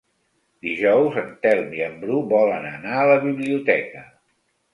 Dijous en Telm i en Bru volen anar a la biblioteca.